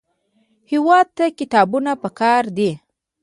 هېواد ته کتابونه پکار دي